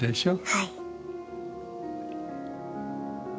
はい。